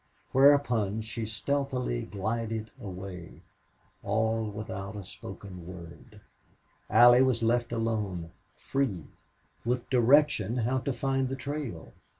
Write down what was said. Whereupon she stealthily glided away all without a spoken word. Allie was left alone free with direction how to find the trail.